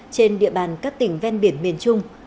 trên địa bàn các tỉnh ven biển miền trung